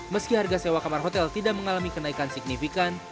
meski harga sewa kamar hotel tidak mengalami kenaikan signifikan